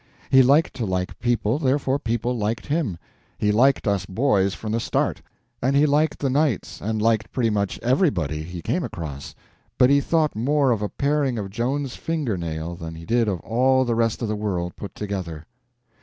He liked to like people, therefore people liked him. He liked us boys from the start; and he liked the knights, and liked pretty much everybody he came across; but he thought more of a paring of Joan's finger nail than he did of all the rest of the world put together.